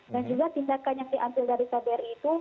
dan juga tindakan yang diambil dari kbri itu